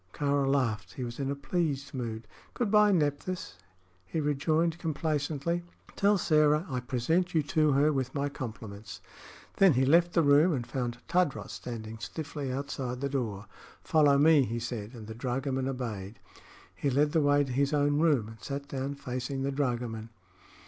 Kāra laughed. He was in a pleased mood. "Good by, Nephthys," he rejoined, complacently. "Tell Sĕra I present you to her with my compliments." Then he left the room and found Tadros standing stiffly outside the door. "Follow me," he said, and the dragoman obeyed. He led the way to his own room and sat down facing the dragoman.